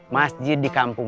masjid di kampung